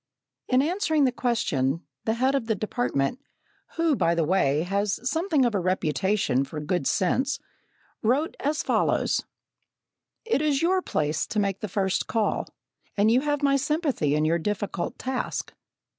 In answering the question, the head of the department, who, by the way, has something of a reputation for good sense, wrote as follows: "It is your place to make the first call, and you have my sympathy in your difficult task.